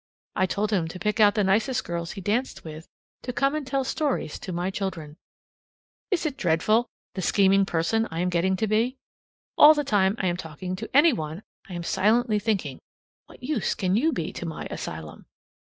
I told him to pick out the nicest girls he danced with to come and tell stories to my children. It is dreadful, the scheming person I am getting to be. All the time I am talking to any one, I am silently thinking, "What use can you be to my asylum?"